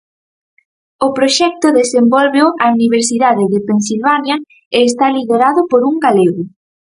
O proxecto desenvólveo a Universidade de Pensilvania e está liderado por un galego.